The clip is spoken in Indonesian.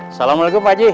assalamualaikum pak haji